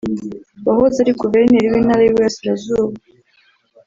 wahoze ari Guverineri w’intara y’uburasirazuba